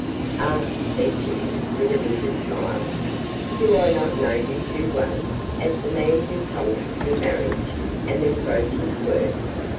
'Ah!' said Kitty, with a bitter smile, 'do I not know you too well, as the man who promised me marriage and then broke his word?